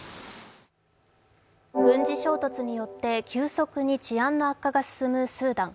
軍事衝突によって急速に治安の悪化が進むスーダン。